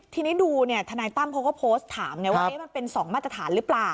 ทีนี้ดูทนายตั้มเขาก็โพสต์ถามไงว่ามันเป็น๒มาตรฐานหรือเปล่า